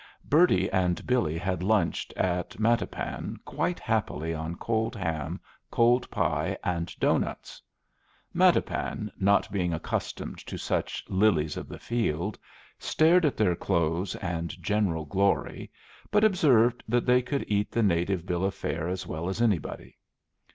Bertie and Billy had lunched at Mattapan quite happily on cold ham, cold pie, and doughnuts. Mattapan, not being accustomed to such lilies of the field, stared at their clothes and general glory, but observed that they could eat the native bill of fare as well as anybody.